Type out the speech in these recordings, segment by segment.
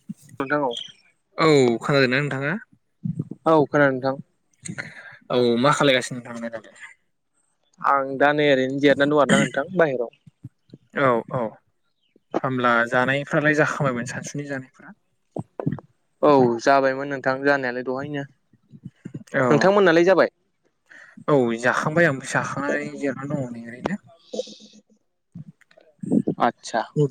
[unintelligible] [inaudible] औ खोनादों ना नोंथाङा? औ खोनादों नोंथां। औ मा खालायगासिनो नोंथांया दालाय? आं दा नै ओरैनो जिरनानै दं आरो ना नोंथां बाहेराव। औ-औ होब्ला जानायफ्रालाय जाखामायमोन सानसुनि जानायफ्रा? औ जाबायमोन नोंथां जानायालाय दहायनो। अ नोंथांमोननालाय जाबाय औ जाखांबाय आं जाखांनानै जिरनानै दङै ओरैनो। आद औ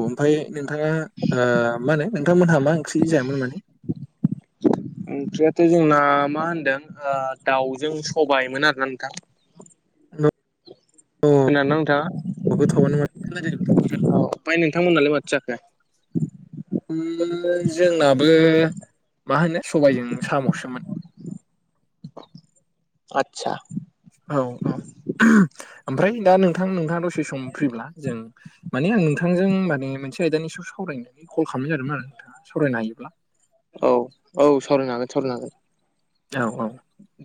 ओमफ्राय नोंथाङा ओ मा होनो नोंथांमोनहा मा ओंख्रि जायामोन माने? [inaudible] [inaudible] ओंख्रियाथ जोंना मा होनदों ओ दाउजों सबायमोन आरोना नोंथां। [unintelligible] [inaudible] औ खोनादोंना नोंथांङा? [unintelligible] [inaudible] ओमफ्राय नोंथांमोनालाय माथो जाखो? ओ जोंनाबो मा होनो सबायजों सामसोमोन। आतसा। औ-औ ओमफ्राय दा नोंथां नोंथाङा दसे सम फ्रिब्ला जों माने आं नोंथांजों माने मोनसे आयदानि सायाव सावरायनानै कल खालामनाय जादोंमोन आरो नोंथाङा सावरायनो हायोब्ला? औ-औ सावरायनो हागोन-सावरायनो हागोन। औ-औ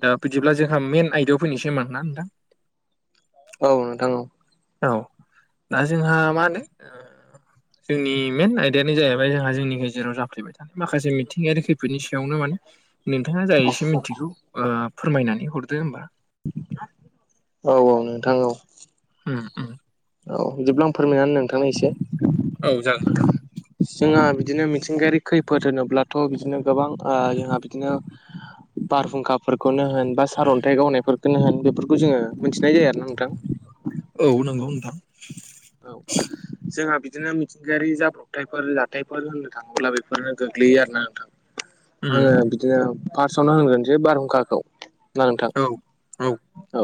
दा बिदिब्ला जोंहा मेन आइडायाव फैनोसै होनबा ना नोंथां। औ नोंथां औ औ दा जोंहा मा होनो ओ जोंनि मेन आयदायानो जाहैबाय जोंहा जोंनि गेजेराव जाफेबाय थानाय। माखासे मिथिंगायारि खैफोदनि सायावनो माने नोंथाङा जाय एसे मिथिगौ फोरमायनानै हरदो होमबा? औ-औ नोंथां औ उम-उम औ बिदिब्ला फोरमायना होनो नोंथांनो एसे। औ जागोन जोंहा बिदिनो मिथिंगायारि खैफोद होनोब्लाथ बिदिनो गोबां ओ जोंहा बिदिनो बारहुंखाफोरखौनो होन बा सारन्थाइ गावनायफोरखौनो होन बेफोरखौ जोङो मिथिनाय जायो आरोना नोंथां। औ नंगौ नोंथां। औ जोंहा बिदिनो मिथिंगायारि जाब्रबथायफोर जाथायफोर होननो थाङोब्ला बेफोरनो गोग्लैयो आरो ना नोंथां। उम आङो बिदिनो फार्सआवनो होनग्रोनोसै बारहुंखाखौ। ना नोंथां औ औ औ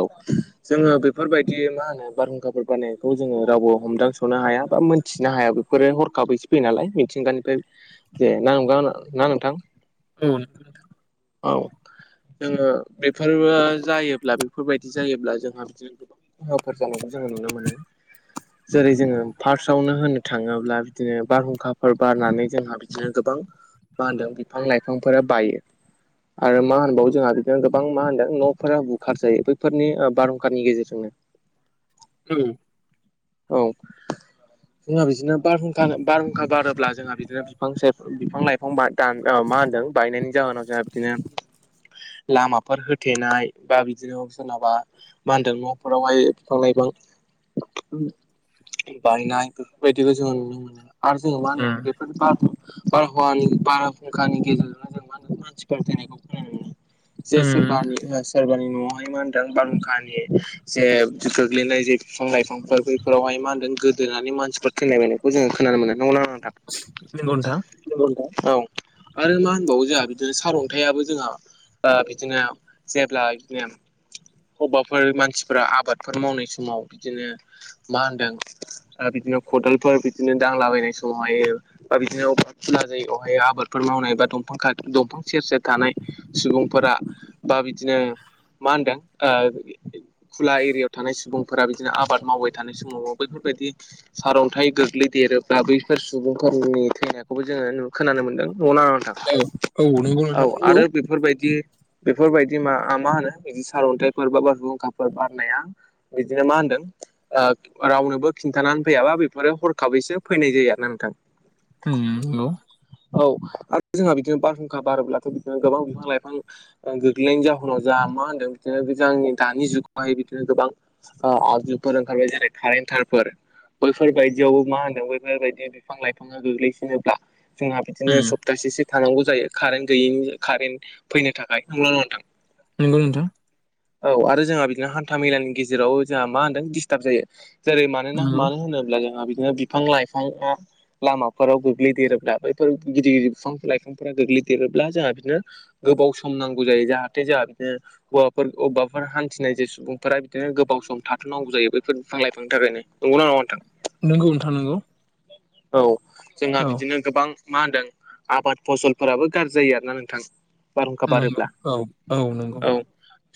जोङो बेफोरबायदि मा होनो बारहुंखाफोर बारनायखौ जोङो रावबो हमदांसनो हाया बा मोनथिनो हाया बेफोरो हरखाबैसो फैयो नालाय। मिथिंगानिफ्राय जे ना नंगा ना नोंथां। औ नंगौ नोंथां औ जोङो बेफोरबो जायोब्ला बेफोरबायदि जायोब्ला जोंहा बिदिनो खहाफोर जानायखौ जोङो नुनो मोनो। जेरै जोङो फार्स्टआवनो होननो थाङोब्ला बिदिनो बारहुंखाफोर बारनानै जोंहा बिदिनो गोबां मा होनदों बिफां लाइफांफोरा बायो। आरो मा होनबावो जोंहा बिदिनो गोबां मा होनदों नफोरा बुखार जायो। बैफोरनि ओ बारहुंखानि गेजेरजोंनो उम औ जोंहा बिदिनो बारहुंखा बारहुंखा बारोब्ला जोंहा बिदिनो बिफां बिफां-लाइफां बा- दा औ मा होनदों बायनायनि जाहोनाव जोंहा बिदिनो लामाफोर होथेनाय बा बिदिनो सोरनाबा मा होनदों न'फोरावहाय बिफां-लाइफां बायनाय बेफोरबायदिखौ जोङो नुनो मोनो आरो जोङो मा होनदों बे- बार बारहावानि बारहुंखानि गेजेरजोंनो जों मा होनो मानसिफोर थैनायखौ खोनानो मोनो। जे उम सोरबानि सोरबानि नआ मा होनदों बारहुंखानि जे गोग्लैनाय जे बिफां-लाइफां फ्राय बैफोरावहाय मा होनदों गोदोनानै मानसिफोर थैलाबायनायखौ जोङो खोनानो मोनदों। नंगौना नंङा नोंथां? नंगौ नोंथां औ आरो मा होनबावो जोंहा बिदिनो सारअन्थाइआबो जोंहा ओ बिदिनो जेब्ला बिदिनो अबावबाफोर मानसिफोरा आबादफोर मावनाय समाव बिदिनो मा होनदों ओ बिदिनो खदालफोर बिदिनो दांलाबायनाय समावहाय बा बिदिनो [unintelligible] आबादफोर मावनाय बा दफां दंफां सेर सेर थानाय। सुबुंफोरा बा बिदिनो मा होनदों ओ खुला एरियाव थानाय सुबुंफोरा बिदिनो आब- आबाद मावबाय थानाय समाव बैफोरबायदि सार अन्थाइ गोग्लैदेरोब्ला बैफोर सुबुंफोरनि थैनायखौबो जोङो खोनानो मोनदों औ नंगौ [unintelligible] औ नोंथां नंगौ आरो बेफोरबायदि बेफोरबायदि मा मा होनो बिदि सारअन्थाइफोर बा बारहुंखाफोर बारनाया बिदिनो मा होन्दों ओ रावनोबो खिन्थानानै फैयाबा बेफोरो हरखाबैसो फैनाय जायो आरो ना नोंथां। उम नंगौ। औ आरो जोंहा बिदिनो बारहुंखा बारोब्लाथ' बिदिनो गोबां बिफां-लाइफां ओं गोग्लैनायनि जाहोनाव जोंहा मा होनदों बिदिनो जोंनि दानि जुगावहाय बिदिनो गोबां ओ आगजुफोर ओंखारबाय जेरै कारेन तारफोर। बैफोरबायदियावबो मा होनदों बैफोरबायदि बिफां-लाइफाङा गोग्लैसिनोब्ला जोंहा बिदिनो उम सप्तासेसो थानांगौ जायो कारेन्ट गैयैनि कारेन्ट फैनो थाखाय। नंगौ ना नङा नोंथां? नंगौ नोंथां औ आरो जोंहा बिदिनो हान्था मेलानि गेजेराव जोंहा मा होनदों दिस्टार्ब जायो। जेरै मानोना नंगौ मानो होनोब्ला जोंहा बिदिनो बिफां-लाइफांआ लामाफोराव गोग्लैदेरोब्ला बैफोर गिदिर-गिदिर बिफां-लाइफांफोरा गोग्लैदेरोब्ला जोंहा बिदिनो गोबाव सम नांगौ जायो जाहाथे जोंहा [unintelligible] [unintelligible] हान्थिनाय जे सुबुंफोरा बिदिनो गोबाव सम थाथ'नांगौ जायो। बेफोर बिफां लाइफां थाखैनो नंगौना नङा नोंथां। नंगौ नोंथां नंगौ। औ जोंहा औ बिदिनो गोबां मा होनदों आबाद फसलफोराबो गाज्रि जायो आरोना नोंथां। बारहुंखा नंगौ बारोब्ला औ औ नंगौ औ।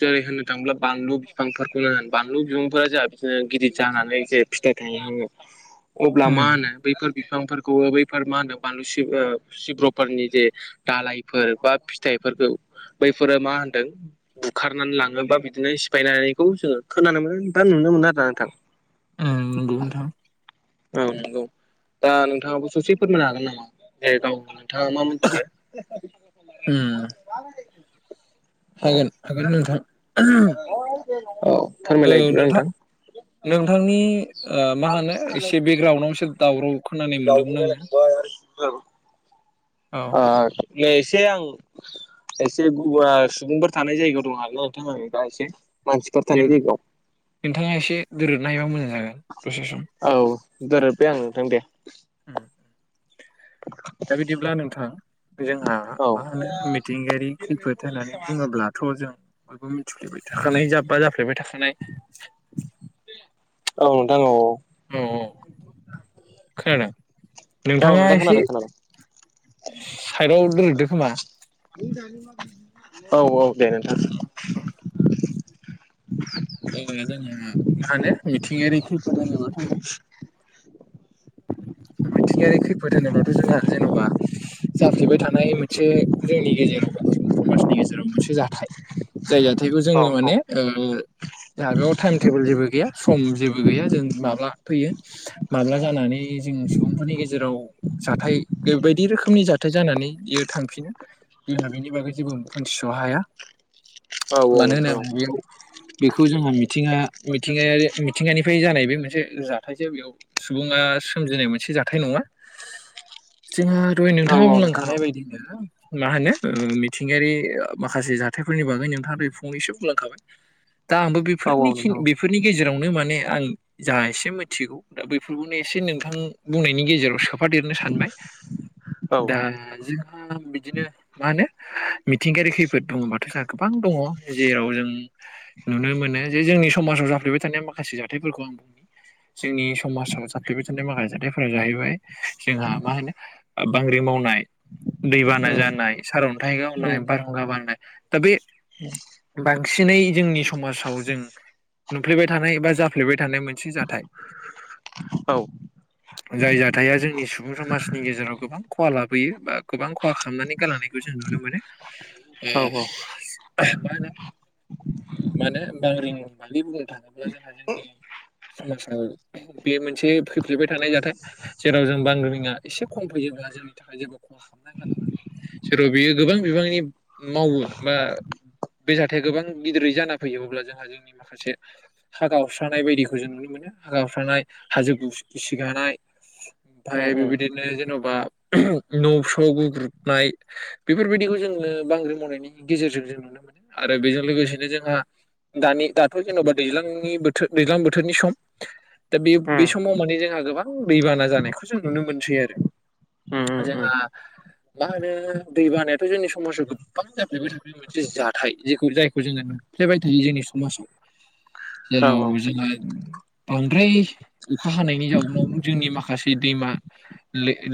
जेरै होननो थाङोब्ला बानलु बिफांफोरखौनो बानलु बिफांफोरा [unintelligible] [unintelligible] गिदिर जानानै जे फिथाइ थायो आङो अब्ला मा उम होनो बैफोर बिफांफोरखौ बैफोर मा होनो बानलु [unintelligible] सिब्रफोरनि जे दालायफोर बा फिथाइफोरखौ बैफोरो मा होनदों बुखारनानै लाङोबा बिदिनो सिफायनानैखौ जोङो खोनानो मोनो बा नुनो मोनो आरो ना नोंथां। ओम नंगौ नोंथां। औ नंगौ दा नोंथाङाबो ससे फोरमायनो हागोन नामा दे गाव थाङा मा मोनथियो उम हागोन हागोन ना नोंथां। औ। ओ फोरमायलाय बिदिब्ला नोंथां नोंथांनि ओ मा होनो एसे बेकग्राउन्डआव एसे दावराव। खोनानाय मोनदोंमोन आङो [unintelligible] औ ओ नै एसे आं एसे गुवार सुबुंफोर थानाय जायगायाव दं आरोना नोंथां दा एसे मानसिफोर थानाय जायगायाव। नोंथाङा एसे दोरोदनो हायोबा मोजां जागोन दसे सम। औ दोरोदबाय आं नोंथां दे। उम दा बिदिब्ला नोंथां जोंहा औ मा होनो मिथिंगायारि खैफोद होननानै बुङोब्ला थ' जों बयबो मिथिफ्लेबाय थाखानाय जाब्बा जाफ्लेबाय थाखानाय। औ नोंथां औ औ। अ अ खोनादों। औ नोंथाङा नोंथां एसे खोनादों खोनादों साइदआव दोरोददो खोमा। औ औ दे नोंथां। [unintelligible] [unintelligible] मिथिंगायारि खैफोद होनोब्लाथ' जोंहा जेन'बा जाफ्लेबाय थानाय मोनसे जोंनि गेजेराव सुबुं समाजनि गेजेराव मोनसे जाथाय। जाय जाथायखौ औ जोङो माने ओ जागायाव टाइम टेबोल जेबो गैया सम जेबो गैया जों माब्ला फैयो माब्ला जानानै जों सुबुंफोरनि गेजेराव जाथाय बायदि रोखोमनि जा थ जानानै इयो थांफिनो जोंहा बेनि बागै जेबो मोनथिस' हाया। औ औ मानो नोंथां औ होनोबा बेयाव बेखौ जोंहा मिथिङा मिथिंगायारि मिथिंगानिफ्राय जानाय बे मोनसे जाथायजों बेयाव सुबुङा सोमजिनाय मोनसे जाथाय नङा जोंहा दहाय औ नोंथाङा औ नोंथां औ बुंलांखानाय बायदिनो मा होनो ओ मिथिंगायारि माखासे जाथायफोरनि बागै नोंथाङा फंनैसो बुंलांखाबाय। दा आंबो औ औ बेफोरनि नोंथां औ [unintelligible] बेफोरनि गेजेरावनो माने आं जा एसे मिथिगौ दा बेैफोरखौनो एसे नों आं बुंनायनि गेजेराव सोफादेरनो सानबाय दा जोंहा बिदिनो मा होनो मिथिंगायारि खैफोद बुङोबाथ' जोंहा गोबां दङ जेराव जों नुनो मोनो जे जोंनि समाजाव जाफ्लेबाय थानाय माखासे जाथायफोरखौ जोंनि समाजाव जाफ्लेबाय माखासे जाथायफोरा जाहैबाय जोंहा मा होनो ओ बांग्रि मावनाय। दै बाना उम जानाय सारअन्थाइ गावनाय उम बारहुंखा बारनाय दा बे [inaudible] बांसिनै जोंनि समाजाव जों नुफ्लेबाय थानाय बा जाफ्लेबाय थानाय मोनसे जाथाय औ जाय जाथाया जोंनि सुबुं समाजनि गेजेराव गोबां खहा लाबोयो बा गोबां खहा खालामनानै गालांनायखौ जों नुनो मोनो ओ औ मा होनो मा होनो बांग्रि मावनाय होननानै बुंनो थाङोब्ला जोंहा जोंनि समाजाव बे से फैफ्लेबाय थानाय जाथाय जेराव जों बांग्रिङा एसे खम फैयोब्ला जोंनि थाखाय जेबो खहा खालामा सोरबा बेयो गोबां बिबांनि मावो बा बे जाथाय गोबां गिदिरै जाना फैयो अब्ला जोंहा जों माखासे हा गावस्रानाय बायदिखौ जों नुनो मोनो हा गावस्रानाय हाजो गिसि गानाय उम ओमफाय उम उम बेबायदिनो जेन'बा न' फ्राव गुब्रुबनाय बेफोरबायदिखौ जोङो बांग्रि मावनायनि गेजेरजों जों नुनो मोनो आरो बेजों लोगोसेनो जोंहा दानि दाथ' जेन'बा दैज्लांनि बोथोर दैज्लां बोथोरनि सम दा बे बे समाव माने जोंहा गोबां दैबाना जानायखौ जों नुनो मोनसै आरो उम जोंहा मा होनो दै बानायाथ' जोंनि समाजाव गोबां जाफ्लायबाय थाखायो मोनसे जाथाय जेखौ जायखौ जोङो नुफ्लेबाय थायो जोंनि समाजाव [inaudible] जेराव जोङो बांद्राय अखा हानायनि जाउनाव जोंनि माखासे दैमा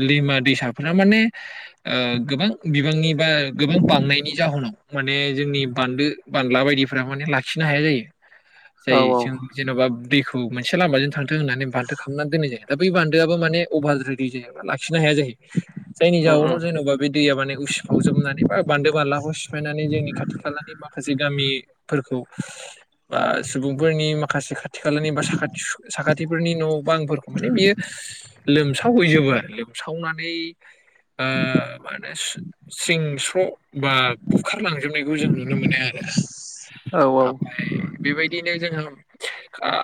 दैमा दैसाफोरा माने ओ गोबां बिबांनि बा गोबां बांनायनि जाहोनाव माने जोंनि बान्दो बानला बायदिफ्रा माने लाखिनो हाया जायो। [inaudible] जायो जों जेन'बा दैखौ मोनसे लामाजों थां थों बान्थो होननानै बान्दो खालामनानै दोननाय जायो दा बै बान्दोआबो माने अबारद्राय दैजों लाखिनो हाया जायो। जायनि उम उम जाउनाव जेन'बा बे दैया माने उसिफावजोबनानै बा बान्दो बानलाखौ सिफायनानै जोंनि खाथि खालानि माखासे गामिफोरखौ बा सुबुंफोरनि माखासे खाथि खालानि बा साखाथि साखाथिफोरनि न' बांफोरखौ माने बियो लोमसावहैजोबो लोमसावनानै ओ माने सिं स्र' बा बुखारलांजोबनायखौ जों नुनो मोनो आरो औ ओमफ्राय बेबायदिनो जों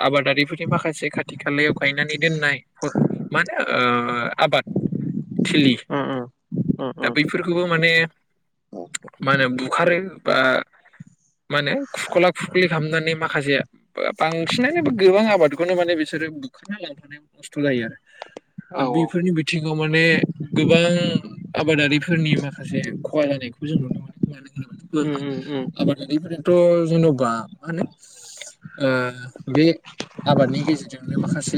आबादारि माखासे खाथि खालायाव गायनानै दोननाय माने ओ आबाद थिलि उम उम उम दा बै बेफोरखौबो माने मा होनो बुखारो बा माने खुरख'ला खुरखलि खालामनानै माखासे बांसिनानो गोबां आबाद माने बिसोरो बुखारना लांफानायाव खसथ' जायो आरो औ दा औ बेफोरनि बिथिङाव माने गोबां आबादारिफोरनि माखासे खहा जानायखौ जों नुनो मोनो उम औ [unintelligible] आबादारिफोरा थ' जेन'बा मा होनो ओ बे आबादनि गेजेरजोंनो माखासे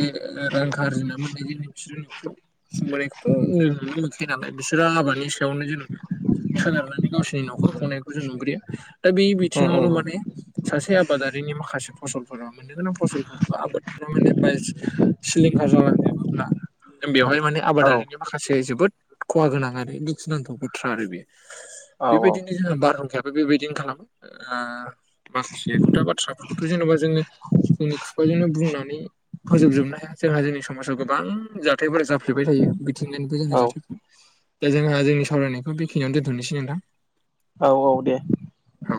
रां आरजिना मोननाय जोंनि बिसोरो न'खौ संबोनायखौथ' नुनो मोनखायो नालाय बिसोरो आबादनि सायावनो जेनेबा सोनारनानै गावसिनि न'खर खुंनायखौ जों नुग्रोयो दा बे बिथिङावनो माने सासे आबादारिनि माखासे फसलफोरा मोननो गोनां फसलफोर आबाद माने ब सिलिंखार जालांजोबोब्ला बेवहाय माने आबादारिनि माखासे जोबोद खहा गोनां आरो दुखुनांथाव बाथ्रा आरो बेयो। औ बेबायदिनो जोंहा बारहुंखाया बेबायदिनो खालामो ओ माखासे खोथा बाथ्राफोरखौथ' जेन'बा जोङो जोंनि बेबायदिनो बुंनानै फोजोबजोबनो हाया जोंहा जोंनि समाजाव गोबां जाथायफोरा जाफ्लेबाय थायो। [unintelligible] औ जोंङो जाथाय दा जोंहा जोंनि सावरायनायखौ बेखिनियावनो दोनथ'नोसै नोंथां। औ औ दे। औ